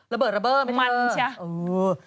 ระเบิดระเบิดระเบิด